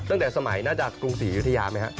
ตั้งแต่สมัยน่าจะกรุงศรียุธยาไหมครับ